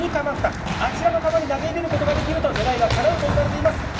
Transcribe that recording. あちらの川に投げ入れることができると願いがかなうと言われています。